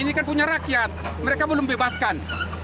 ini kan punya rakyat mereka belum bebaskan